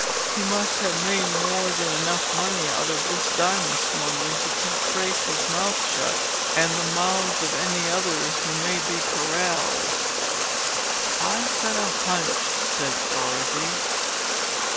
He must have made more than enough money out of this diamond smuggling to keep Tracey's mouth shut—and the mouths of any others who may be corralled." "I've got a hunch," said Dorothy.